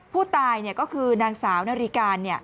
ผู้ตายเนี่ยก็คือนางสาวนริการเนี่ย